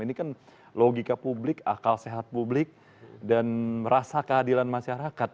ini kan logika publik akal sehat publik dan rasa keadilan masyarakat